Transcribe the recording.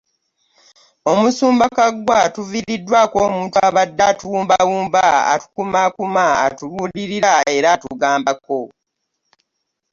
"Omusumba Kaggwa tuviiriddwako omuntu abadde atuwumbawumba, atukumaakuma, atubuulirira era atugambako”.